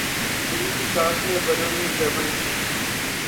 film کی cast میں ورون دھون